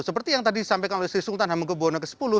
seperti yang tadi disampaikan oleh sri sultan hamengkubwono x